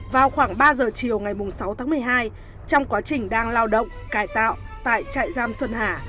vào khoảng ba giờ chiều ngày sáu tháng một mươi hai trong quá trình đang lao động cải tạo tại trại giam xuân hà